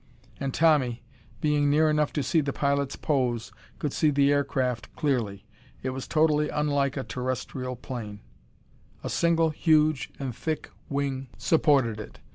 And Tommy, being near enough to see the pilot's pose, could see the aircraft clearly. It was totally unlike a terrestrial airplane. A single huge and thick wing supported it.